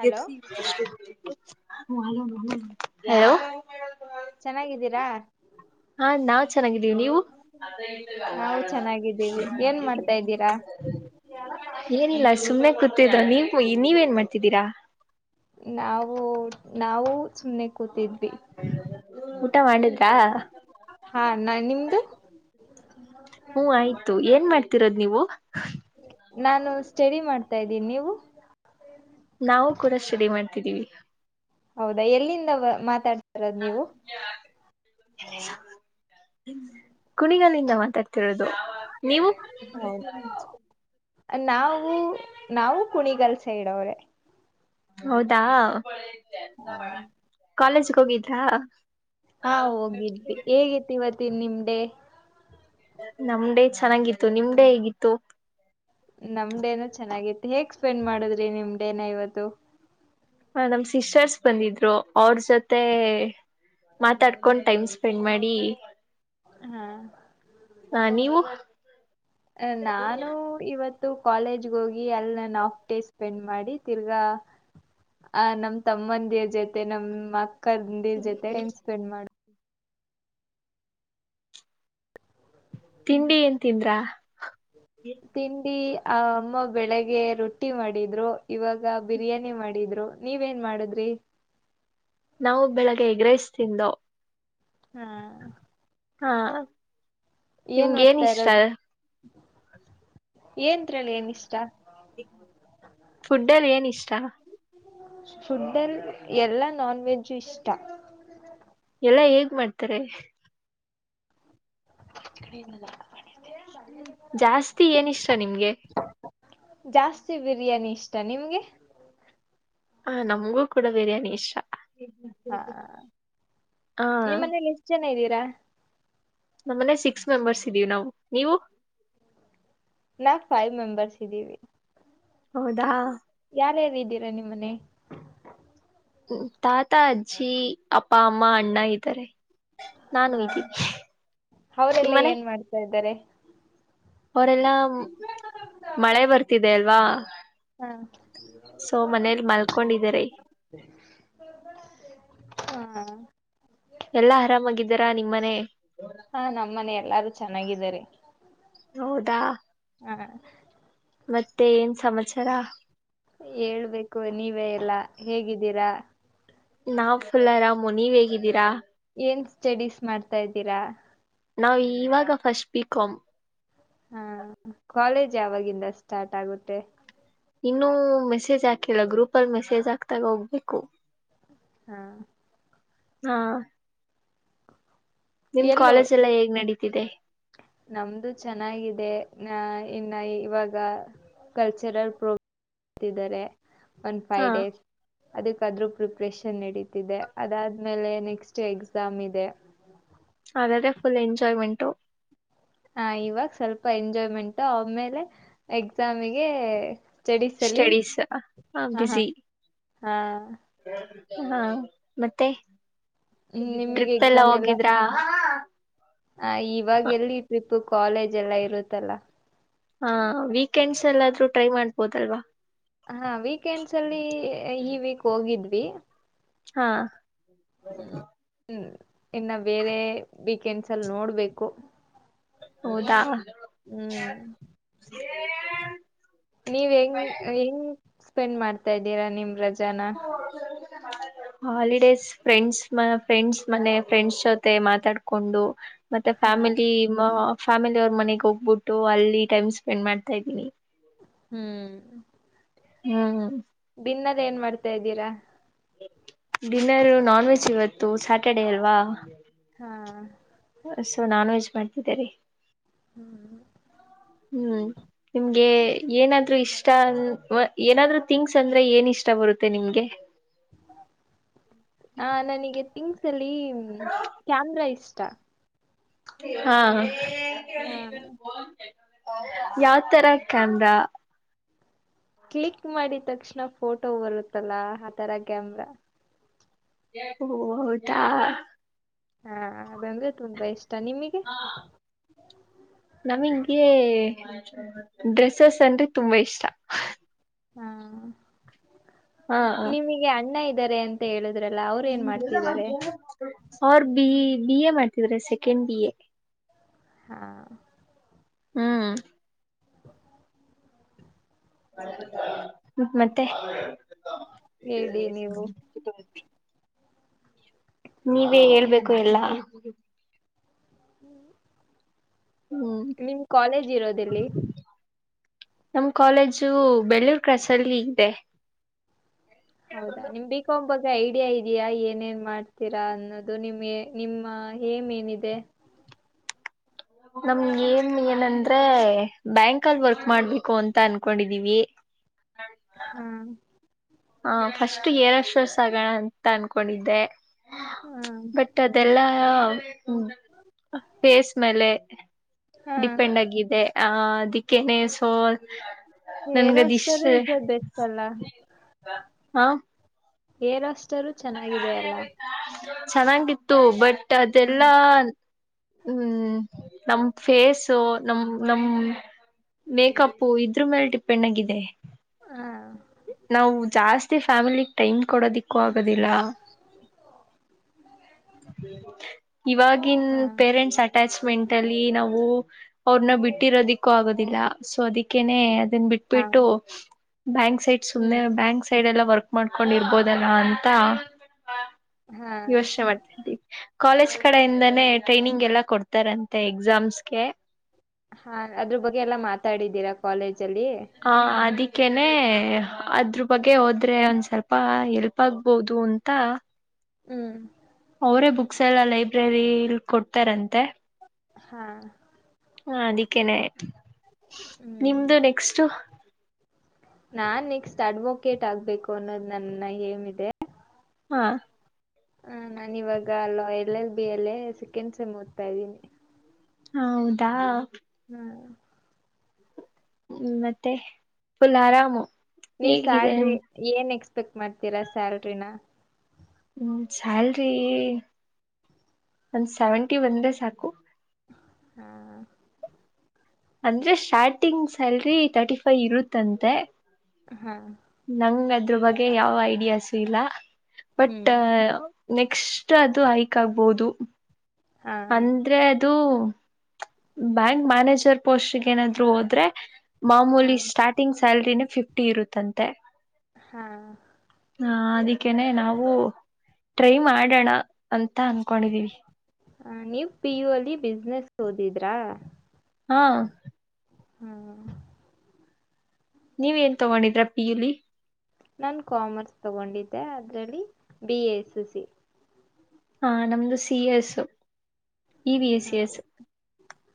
Hello ಹೋ ಚೆನ್ನಾಗಿದ್ದೀರಾ ಹಾ ನಾ್ ಚೆನ್ನಾಗಿದ್ದೀವಿ ನೀವು ನಾವು ಚೆನ್ನಾಗಿದ್ದೀವಿ ಏನ್ ಮಾಡ್ತಾ್ದೀರಾ ಏನಿಲ್ಲ ಸುಮ್ಮನೆ ಕೂತಿದ್ದ ನೀವ್ ನೀವೇಏನ್ ಮಾಡ್ತಿದ್ದೀರಾ ನಾವು ನಾವು ಸುಮ್ಮನೆ ಕೂತಿದ್ವಿ ಊಟ ಮಾಡುದ್ರಾ ಹಾ ನಾ ನಿಮ್ದು ಹ್ಮ್ ಆಯ್ತು ಏನ್ ಮಾಡ್ತಿರೋದ್ ನೀವು ನಾನು ಸ್ಟಡಿ ಮಾಡ್ತಾ ಇದ್ದೀನಿ ನೀವು ನಾವು ಕೂಡ ಸ್ಟಡಿ ಮಾಡ್ತಿದ್ದೀವಿ ಹೌದಾ ಎಲ್ಲಿಂದ ಮಾತಾಡ್ತಿರೋದ್ ನೀವು ಕುಣಿಗಲ್ ಇಂದ ಮಾತಾಡ್ತಿರೋದು ನೀವು ಹೌದು ನಾವು ನಾವು ಕುಣಿಗಲ್ ಸೈಡ್ವ್ರೇ ಹೌದಾ ಹಾ ಕಾಲೇಜ್ಗೆ ಹೋಗಿದ್ರಾ ಹಾ ಹೋಗಿದ್ವಿ ಹೇಗಿತಿ ಇವತ್ತು ನಿಂಮಡೆ ನಮ್ ಡೇ ಚೆನ್ನಾಗಿತ್ತು ನಿಮ್ ಡೇ ಹೇಗಿತ್ತು ನಮ್ ಡೇನ ಚೆನ್ನಾಗಿತ್ತು ಹೇಗ್ ಸ್ಪೆಂಡ್ ಮಾಡುದ್ರಿ ನಿಮ್ ಡೇನ ಇವತ್ತು. ಹ ನಮ ಸಿಸ್ಟರ್ಸ್ ಬಂದಿದ್ರು ಅವ್ರ ಜೊತೆ ಮಾತಾಡ್ಕೊಂಡ್ ಟೈಮ್ ಸ್ಪೆಂಡ್ ಮಾಡಿ. ಹಾ ಹಾ ನೀವು ಅ ನಾನು ಇವತ್ತು ಕಾಲೇಜ್ ಹೋಗಿ ಅಲ್ಲಿ ನನ್ ಆಫ್ ಡೇ ಸ್ಪೆಂಡ್ ಮಾಡಿ ತಿರ್ಗಾ ಆ ನಮ್ ತಮ್ಮಂದಿರ್ ಜೊತೆ ನಮ್ ಅಕ್ಕಂದಿ ಜೊತೆ ಟೈಮ್ ಸ್ಪೆಂಡ್ ಮಾಡ ತಿಂಡಿ ಏನ್ ತಿಂದ್ರಾ ಹ ತಿಂಡಿ ಆ ಅಮ್ಮ ಬೆಳಿಗ್ಗೆ ರೊಟ್ಟಿ ಮಾಡಿದ್ರು ಇವಾಗ ಬಿರಿಯಾನಿ ಮಾಡಿದ್ರು. ನೀವೇನ್ ಮಾಡುದ್ರಿ ನಾವು ಬೆಳಗ್ಗೆ ಎಗ್ರೀಸ್ ತಿಂಡ್ವೂ [unintelligible] ಹಾ ಹಾ ಏನ್ ನಿಮ್ಗೆ ಓದ್ತಾ ಇಷ್ಟ ಇರೋದು ಏನ್ ಇತ್ರಲ್ಲ ನ ಇಷ್ಟ ಫುಡ್ ಅಲ್ಲಿ ಏನ್ ಇಷ್ಟ ಫುಡ್ಡಲ್ ಎಲ್ಲಾ ನಾನ್ ವೆಜ್ಜು ಇಷ್ಟ ಎಲ್ಲಾ ಹೇಗ್ ಮಾಡ್ತಾರೆ ಚ ಕಡಿನ್ನ ಜ [unintelligible] ಜಾಸ್ತಿ ಏನಿಷ್ಟ ನಿಮ್ಗೆ? ಜಾಸ್ತಿ ಬಿರಿಯಾನಿ ಇಷ್ಟ ನಿಮ್ಗೆ ಹ ನಮ್ಗೂ ಕೂಡ ಬಿರಿಯಾನಿ ಇಷ್ಟ ಹಾ ಹ ನಿಮ್ಮ ಮನೇಲಿ ಎಷ್ಟು ಜನ ಇದ್ದೀರಾ ನಮ್ಮನೆ ಸಿಕ್ಸ್ ಮೆಂಬರ್ಸ್ ಇದ್ದೀವಿ ನಾವು ನೀವು. ನಾಕ್ ಫೈವ್ ಮೆಂಬರ್ಸ್ ಇದ್ದೀವಿ ಹೌದಾ ಯಾರ ಯಾರು ಇದ್ದೀರಾ ನಿಮ್ಮನೆ ತಾತ ಅಜ್ಜಿ ಅಪ್ಪ ಅಮ್ಮ ಅಣ್ಣ ಇದ್ದಾರೆ ನಾನು ಹಾ ಇದ್ದೀನಿ ಅವರೆಲ್ಲ ನಿಮ್ಮನೆ ಏನ್ ಮಾಡ್ತಾ ಇದಾರೆ ಅವರೆಲ್ಲಾ ಮಳೆ ಬರ್ತಿದೆ ಅಲ್ವಾ ಹಾ ಸೊ ಮನೇಲಿ ಮಲ್ಕೊಂಡಿದಾರೆ. ಹಾ ಎಲ್ಲಾ ಆರಾಮಾಗಿದ್ದಾರಾ ನಿಮ್ಮ ಮನೆ ಹಾ ನಮ್ಮ ಮನೆ ಎಲ್ಲಾರು ಚೆನ್ನಾಗಿದ್ದಾರೆ ಹೌದಾ ಹಾ ಮತ್ತೆ ಏನ್ ಸಮಾಚಾರ ಹೇಳ್ಬೇಕು ನೀವೇ ಎಲ್ಲ ಹೇಗಿದ್ದೀರಾ ನಾವ್ ಫುಲ್ ಆರಾಮು ನೀವ್ ಹೇಗಿದ್ದೀರಾ ಏನ್ ಸ್ಟಡೀಸ್ ಮಾಡ್ತಾ ಇದ್ದೀರಾ ನಾವವು ಇವಾಗ ಫಸ್ಟ್ ಬಿಕಾಂ ಹಾ ಕಾಲೇಜ್ ಯಾಗಿಂದ ಸ್ಟಾರ್ಟ್ ಆಗುತ್ತೆ, ಇನ್ನುೂ ಮೆಸೇಜ್ ಹಾಕಿಲ್ಲ ಗ್ರೂಪ್ ಅಲ್ಲಿ ಮೆಸೇಜ್ ಹಾಕ್ತಾಗ ಹೋಗ್ಬೇಕು ಹಾ ಹಾ ನಿಮ್ ಎಲ್ಲೋ ಕಾಲೇಜ್ ಎಲ್ಲಾ ಹೇಗ್ ನಡೀತಿದೆ ನಮ್ದು ಚೆನ್ನಾಗಿದೆ ನ ಇನ್ನ ಇವಾಗ ಕಲ್ಚರಲ್ ಪ್ರೋಗ್ರಾಮ್ಿದ್ದಾರೆ ಒನ್ ಫೈವ್ ಹಾ ಡೇಸ್ ಅದಕ್ಕಾದ್ರೂ ಪ್ರಿಪ್ರೇಷನ್ ನಡೀತಿದೆ ಅದಾದ್ಮೇಲೆ ನೆಕ್ಸ್ಟ್ ಎಕ್ಸಾಮ್ ಇದೆ ಅದ್ರೆ ಫುಲ್ ಎಂಜಾಯ್ಮೆಂಟು ಹಾ ಇವಾಗ ಸ್ವಲ್ಪ ಎಂಜಾಯ್ಮೆಂಟ್ು ಆಮೇಲೆ ಎಕ್ಸಾಮಿಗೆ ಚಡಿಸಲಿ ಸ್ಟಡೀಸ್ ಹ ಹಾ ಹಾ ಬ್ಯುಸಿ ಹಾ ಹಾ ಮತ್ತೆ ಹ್ಮ್ ನಿಮಗೆ ಟ್ರಿಪ್ ಎಲ್ಲ ಹೋಗಿದ್ರಾ ಹ ಇವಾಗ ಎಲ್ಲಿ ಟ್ರಿಪ್ು ಕಾಲೇಜ್ ಎಲ್ಲಾ ಇರುತ್ತಲ್ಲ ಹಾ ವೀಕೆಂಡ್ಸ್ ಎಲ್ಲಾದ್ರೂ ಟ್ರೈ ಮಾಡ್ಬೋದಲ್ವಾ ಹಾ ವೀಕೆಂಡ್ಸ್ ಅಲ್ಲಿ ಈ ವೀಕ್ ಹೋಗಿದ್ವಿ ಹಾ ಹ್ಮ್ ಇನ್ನು ಬೇರೆ ವೀಕೆಂಡ್ಸ್ ಅಲ್ಲಿ ನೋಡ್ಬೇಕು ಹೌದಾ ಹ್ಮ್ ಹ ನೀವ್ ಹೆಂಗ್ ಹೆಂಗ್ ಸ್ಪೆಂಡ್ ಮಾಡ್ತಾ ಇದ್ದೀರಾ ನಿಮ ರಜೆಾನ [inaudible] [unintelligible] ಹಾಲಿಡೇಸ್ ಫ್ರೆಂಡ್ಸ್ ಫ್ರೆಂಡ್ಸ್ ಮನೆ ಫ್ರೆಂಡ್ಸ್ ಜೊತೆ ಮಾತಾಡ್ಕೊಂಡು ಮತ್ತೆ ಹ ಫ್ಯಾಮಿಲಿ ಫ್ಯಾಮಿಲಿ ಅವ್ರ ಮನೆಗೆ ಹೋಗ್ಬಿಟ್ಟು ಅಲ್ಲಿ ಟೈಮ್ ಸ್ಪೆಂಡ್ ಮಾಡ್ತಾ ಇದ್ದೀನಿ ಹ್ಮ್ ಹ್ಮ್ ದನ್ನದ್ ಏನ್ ಮಾಡ್ತಾ ಇದ್ದೀರಾ ಡಿನ್ನರ್ ನಾನ್ ವೆಜ್ ಇವತ್ತು ಸ್ಯಾಟರ್ಡೇ ಅಲ್ವಾ ಹಾ ಸೊ ನಾನು ವೆಜ್ ಮಾಡ್ತಿದ್ದೇನೆ ಹ್ಮ್ ಹ್ಮ್ ನಿಮ್ಗೆ ಏನಾದ್ರು ಇಷ್ಟ ಏನಾದ್ರು ಥಿಂಗ್ಸ್ ಅಂದ್ರೆ ಏನ್ ಇಷ್ಟ ಬರುತ್ತೆ ನಿಮ್ಗೆ [inaudible] ಆ ನನಗೆ ತಿಂಗ್ಸ್ ಅಲ್ಲಿ ಕ್ಯಾಮ್ರಾ ಇಷ್ಟ ಹಾ ಹ ಯಾವತರ ಕ್ಯಾಮ್ರಾ. ಕ್ಲಿಕ್ ಮಾಡಿದ ತಕ್ಷಣ ಫೋಟೋ ಬರುತ್ತಲ್ಲ ಆ ತರ ಕ್ಯಾಮ್ರಾ ದಾ ಹಾ ಅದಂದ್ರೆ ತುಂಬಾ ಇಷ್ಟ ನಿಮಗೆ ಹಾ ನಮಗೆ ಡ್ರೆಸ್ಸಸ್ ಅಂದ್ರೆ ತುಂಬಾ ಇಷ್ಟ ಹಾ ಹಾ ಹ ನಿಮಗೆ ಅಣ್ಣ ಇದ್ದಾರೆ ಅಂತ ಮತ್ತ ಹೇಳುದ್ರಲ್ಲ ಅವ್ರ ಏನ್ ಮಾಡ್ತಿದ್ದಾರೆ ಅವ್ರ ಬಿ ಬಿ ಎ ಮಾಡ್ತಿದ್ರ ಸೆಕೆಂಡ್ ಬಿ ಎ ಹಾ ಹ್ಮ್ ಮತ್ತೆ ಹೇಳಿ ನೀವು ನೀವೇ ಹೇಳ್ಬೇಕು ಎಲ್ಲ ಹ್ಮ್ ಹ್ಮ್ ನಿಮ್ ಕಾಲೇಜ್ ಇರೋದೆಲ್ಲಿ. ನಮ್ ಕಾಲೇಜು ಬೆಳ್ಳೂರ್ ಕ್ರಸ್ ಅಲ್ಲಿ ಇದೆ. ಹೌದಾ ನಿಮ್ ಬಿಕಮ್ ಬಗ್ಗೆ ಐಡಿಯಾ ಇದೆಯಾ ಏನೇನ್ ಮಾಡ್ತೀರಾ ಅನ್ನೋದು ನಿಮ್ ನಿಮ್ಮ ಏಮ್ ಏನಿದೆ. ನಮ್ಗೆ ಏನ್ ಏನಂದ್ರೆ ಬ್ಯಾಂಕ್ ಅಲ್ಲಿ ವರ್ಕ್ ಮಾಡ್ಬೇಕು ಅಂತ ಅನ್ಕೊಂಡಿದೀವಿ. ಹಾ ಹ ಫಸ್ಟ್ ಏರ್ ಹೋಸ್ಟ್ರೆಸ್ ಆಗೋಣ ಅಂತ ಅನ್ಕೊಂಡಿದ್ದೆ ಹಾ ಬಟ್ ಅದ ದೆಲ್ಲ. ಹ್ಮ ಫೇಸ್ ಮೇಲೆ ಹಾ ಡಿಪೆಂಡ್ ಆಗಿದೆ. ಅ ಅದಿಕ್ಕೆನ ಸೋಲ್ ಏರ್ ಹೋಸ್ಟರ್ ಈಗ ಬೆಸ್ಟ್ ಅಲ. ಹಾ ಏರ್ ಹೋಸ್ಟರು ಚ ಚೆನ್ನಾಗಿತ್ತು ಬಟ್ ಹಾ ಅದೆಲ್ಲಾ. ಹ್ಮ್ ನಮ್ ಫೇಸು ನಮ್ ನಮ್. ಮೇಕಪು ಇದ್ರ ಮೇಲೆ ಡಿಪೆಂಡ್ ಆಗಿದೆ. ಹಾ ನಾವು ಜಾಸ್ತಿ ಫ್ಯಾಮಿಲಿಗ್ ಟೈಮ್ ಕೊಡೋದಿಕ್ಕೂ ಆಗೋದಿಲ್ಲ. ಇವಾಗಿನ್ ಹಾ ಪೇರೆಂಟ್ಸ್ ಆ ಅಟ್ಯಾಚ್ಮೆಂಟ್ ಅಲ್ಲಿ ನಾವು. ಅವ್ರನ್ನ ಬಿಟ್ಟಿರೋದಿಕ್ಕೂ ಆಗೋದಿಲ್ಲ ಸೊ ಅದಕ್ಕೇನೆ ಅದನ್ ಬಿಟ್ಟ. ಹಾ ಬಿಟ್ಟು ಬ್ಯಾಂಕ್ ಸೈಡ್ ಸುಮ್ನೆ ಹ್ಮ್ ಬ್ಯಾಂಕ್ ಸೈಡ್ ಎಲ್ಲ ವರ್ಕ್ ಮಾಡ್ಕೊಂಡಿರ್ಬೋದಲ್ಲ ಅಂತ. ಹಾ ಯೋಚನೆ ಮಾಡ್ತಿದ್ದಿ ಕಾಲೇಜ್ ಕಡೆಯಿಂದಾನೇ. ಟ್ರೈನಿಂಗ್ ಎಲ್ಲ ಕೊಡ್ತಾರಂತೆ ಎಕ್ಸಾಮ್ಸ್ಗೆ. ಹಾ ಅದ್ರ ಬಗ್ಗೆ ಎಲ್ಲಾ ಮಾತಾಡಿದ್ದೀರಾ ಕಾಲೇಜ ಅಲ್ಲಿ. ಹಾ ಅದಿಕ್ಕೇನೆ ಅದ್ರ ಬಗ್ಗೆ ಹೊ ದ್ರೆ ಒಂದ್ ಸ್ವಲ್ಪ ಎಲ್ಪ್ ಆಗ್ಬೋದು ಅಂತ. ಹ್ಮ್ ಅವರೇ ಬುಕ್ಸ್ ಎಲ್ಲ ಲೈಬ್ರರಿಲ್ ಕೊಡ್ತಾರಂತೆ. ಹಾ ಹಾ ಅದಕ್ಕೇನೆ ನಿಮ್ದು ಹ್ಮ್ ನೆಕ್ಸ್ಟ್. ನಾನ್ ನೆಕ್ಸ್ಟ್ ಅಡ್ವೊಕೇಟ್ ಆಗ್ಬೇಕು ಅನ್ನೋದು ನನ್ನ ಏಮ್ ಇದೆ. ಹಾ ಹ ನಾನ ಇವಾಗ ಲಾಯಲ್ ಎಲ್ ಎಲ್ ಬಿಯಲ್ಲೇ ಸಿಕೆಂಡ್ ಸೆಮ್ ಓದ್ತಾ ಇದ್ದೀನಿ. ಹೌದಾ. ಹ್ಮ್ ಹ್ಮ್ ಮತ್ತೆ ಫುಲ್ ಆರಾಮು. ನೀವ್ ಹೇಗಿದೆ ಸ್ಯಾಲ್ರಿ ಏನ್ ಎಕ್ಸ್ಪೆಕ್ಟ್ ಮಾಡ್ತೀರಾ ಸ್ಯಾಲ್ರಿನ. ಹ ಸ್ಯಾಲ್ರಿ ಒಂದ್ ಸೆವೆಂಟಿ ಬಂದ್ರೆ ಸಾಕು. ಹಾ ಅಂದ್ರೆ ಸ್ಟಾರ್ಟಿಂಗ್ ಸ್ಯಾಲ್ರಿ ತರ್ಟಿಫೈವ್ ಇರುತ್ತಂತೆ. ಹಾ ನಂಗ ಅದ್ರ ಬಗ್ಗೆ ಯಾವ ಐಡಿಯಾಸು ಇಲ್ಲ ಹ್ಮ್ ಬಟ್. ನೆಕ್ಸ್ಟ್ ಅದು ಹಐಕ್ ಆಗ್ಬಹದು ಹಾ ಅಂದ್ರೆ ಅದು ಬ್ಯಾಂಕ್ ಮ್ಯಾನೇಜರ್ ಪೋಸ್ಟ್ಗ ಏನಾದ್ರು ಹೋದ್ರೆ ಹಾ ಮಾಮೂಲಿ ಸ್ಟಾರ್ಟಿಂಗ್ ಸ್ಯಲ್ರಿನ ಫಿಫ್ಟಿ ಇರುತ್ತಂತೆ ಹಾ ಹ ಅದಕ್ಕೇನೆ ನಾವು ಟ್ರೈ ಮಾಡೋಣ ಅಂತ ಅನ್ಕೊಂಡಿದೀವಿ ಹ ನೀವ್ ಪ ಯು ಅಲ್ಲಿ ಬಿಸ್ನೆಸ್ ಓದಿದ್ರಾ ಹಾ ಹೂ ನೀವೇನ್ ತಗೊಂಡಿದ್ರ ಪಿ ಇಲಿ ನಾನು ಕಾಮರ್ಸ್ ತೊಗೊಂಡಿದ್ದೆ ಅದರಲ್ಲಿ ಬಿ ಎಸ್ು ಸಿ ಹಾ ನಮ್ದು ಸಿ ಎಸ್ು ಹಾ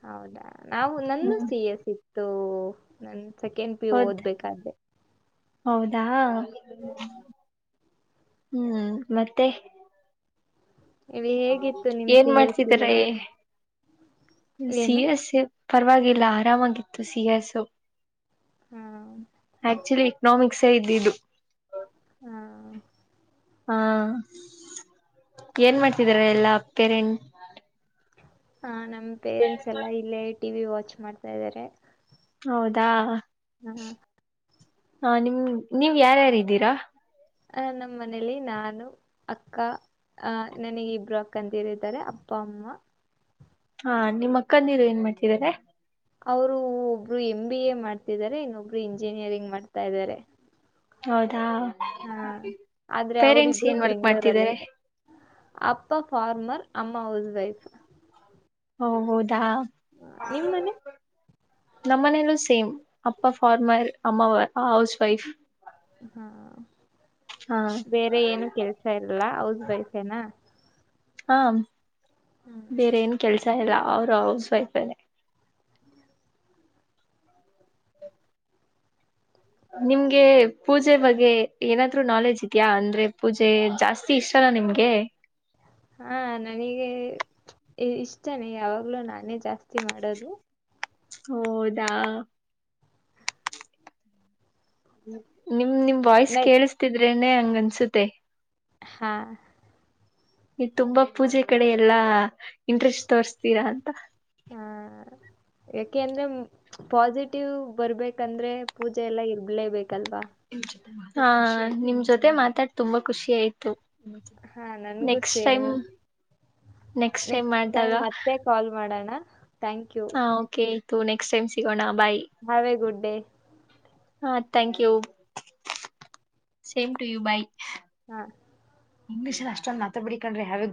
ಹೌದಾ ನಾವು ನನ್ನ ಹ್ಮ್ ಸಿ ಎಸ್ ಇತ್ತು ನನ್ ಸೆಕೆಂಡ್ ಪಿ ಹೌದ್ ಓದ್ಬೇಕಾದ್ದೆ ಹೌದಾ ಹೌದ ಹೂ ಮತ್ತೆ ಹೇಳಿ ಹೇಗಿತ್ತು ನಿಮ್ ಏನ್ ಸಿ ಎಸ್ ಮಾಡ್ತಿದಾರ ಸಿಲಬಸ್ ಏನು ಸಿಎಸ್ ಪರವಾಗಿಲ್ಲ ಆರಾಮಾಗಿತ್ತು ಸಿಎಸ್ು ಹ ಆಕ್ಚುಲಿ ಎಕ್ನಾಮಿಕ್ಸ್ೇ ಇದ್ದ ಇದು ಹಾ ಹಾ ಏನ್ ಮಾಡ್ತಿದಾರ ಎಲ್ಲಾ ಪೇರೆ ಹ ನಮ್ ಪೇರೆಂಟ್ಸ್ ಎಲ್ಲಾ ಇಲ್ಲೇ ಟಿವ ವಿ ವಾಚ್ ಮಾಡ್ತಾ ಇದಾರೆ ಹೌದಾ ಹ ಹಾ ನಿಮ್ ನೀವ್ ಯಾರ್ಯಾರ್ದೀರಾ ಅ ನಮ್ಮ ಮನೇಲಿ ನಾನು ಅಕ್ಕ ಅ ನನಗ್ ಇಬ್ರು ಅಕ್ಕಂತರಿದ್ದಾರೆ ಅಪ್ಪ ಅಮ್ಮ ಹಾ ನಿಮ್ಮ ಅಕ್ಕಂದ ನೀರು ಏನ್ ಮಾಡ್ತಿದಿದ್ದಾರೆ ಅವರು ಒಬ್ರು ಎಮ ಬಿ ಎ ಮಾಡ್ತಿದ್ದಾರೆ ಇನ್ನೊಬ್ರು ಇಂಜಿನಿಯರಿಂಗ್ ಮಾಡ್ತಾ ಇದಾರೆ ಹೌದಾ ಹಾ ಆದ್ರೆ ಪೇರೆಂಟ್ಸ್ ಅವರಿಿಬ್ರು ಏನ್ ವರ್ಕ್ ಬೆಂಗ್ಗಳೂರಲ್ಲೇ ಮಾಡ್ತಿದ್ದಾರೆ ಇದೆ ಅಪ್ಪ ಫಾರ್ಮರ್ ಅಮ್ಮ ಹೌಸ್ ವೈಫ್ ಹೌದಾ ನಿಮ್ ಮನೆ ನಮ್ಮನೇಲ್ಲೂ ಸೇಮ್ ಅಪ್ಪಾ ಫಾರ್ಮರ್ ಅಮ್ಮ ಹೌಸ್ ವೈಫ್ ಹಾ ಹಾ ಬೇರೆ ಏನು ಕೆಲ್ಸ ಇಲ್ಲ ಹೌಸ್ ವೈಫ ನಾ ಹಾ ಬೇರೆ ಏನ್ ಕೆಲ್ಸ ಇಲ್ಲ ಅವ್ರ ಹೌಸ್ ವೈಫ್ ಅಲ್ಲೇ ನಿಮ್ಗೆ ಪೂಜೆ ಬಗ್ಗೆ ಏನಾದ್ೂ ನಾಲೆಜ್ ಇದೆಯಾ ಅಂದ್ರೆ ಪೂಜೆ ಜಾಸ್ತಿ ತಿ ಇಷ್ಟಲ್ಲ ನಿಮ್ಗೆ ಹಾ ನನಗೆ ಇಷ್ಟನೆ ಯಾವಾಗ್ಲೂ ನಾನೇ ಜಾಸ್ತಿ ಮಾಡೋದು ಹೌದಾ ನಿಮ್ ನಿಮ್ ವಾಯ್ಸ್ ನ ಕೇಳಿಸತಿದ್ರೇನೆ ಹಂಗನ್ಸುತ್ತೆ ಹಾ ಇ ತುಂಬಾ ಪೂಜೆ ಕಡೆ ಎಲ್ಲಾ ಇಂಟ್ರೆಸ್ಟ್ ತೋರ್ಸ್ತೀರಾ ಅಂತ [inaudible] ಇದಕ್ಕೆ ಎಂದ್ರೆ ಪಾಸಿಟಿವ್ ಬರ್ಬೇಕಂದ್ರೆ ಪೂಜೆ ಎಲ್ಲ ಇರ್ಬಲೇಬೇಕಲ್ವಾ ಹಾ ನಿಮ್ ಜೊತೆ ಮಾತಾಡ್ ತುಂಬಾ ಖುಷಿ ಆಯ್ತು ಹಾ ನನ್ಗೂ next same time next time ಮಾಡಿದಾಗ ಕಾಲ್ ಮಾಡೋಣ ಥ್ಯಾಂಕ್ ಯು ಹಾ ಓಕೆ ಆಯ್ತು ನೆಕ್ಸ್ಟ್ ಟೈಮ್ ಸಿಗೋಣ bye have a good day ಹಾ thank you same to you bye ಹಾ ಇಂಗ್ಲಿಷ ಅಷ್ಟೊಂದು ಮಾತಾ ಬಿಡಿಕೊಂಡ್ರೆ ಹಾವೆ